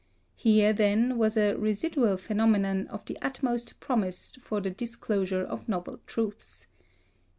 Here, then, was a "residual phenomenon" of the utmost promise for the disclosure of novel truths.